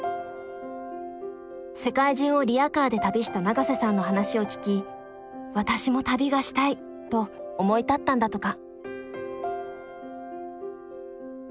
世界中をリヤカーで旅した永瀬さんの話を聞き「私も旅がしたい」と思い立ったんだとか。